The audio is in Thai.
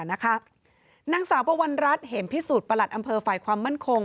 นางสาวปววรรณรัฐเห็นพิสูจน์ประหลัดอำเภอไฟความมั่นคง